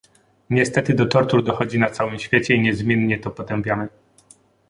Niestety do tortur dochodzi na całym świecie i niezmiennie to potępiamy